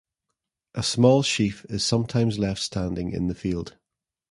A small sheaf is sometimes left standing in the field.